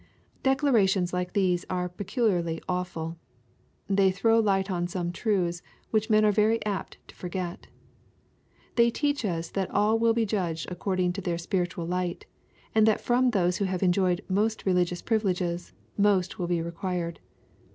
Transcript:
Declarations like these are peculiarly awful. They throw light on some truths which men are very apt to forget. They teach us that all will be judged according to their spiritual light, and that from those who have enjoyed most religious privileges, most will be required.